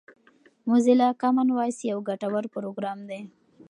موزیلا کامن وایس یو ګټور پروګرام دی.